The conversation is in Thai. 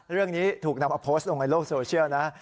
เรื่องนี้ถูกนำมาโพสต์ลงในโลกโซเชียลนะ